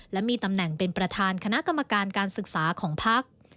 และมีตำแหน่งเป็นประธานคณะกรรมการการศึกษาของพัก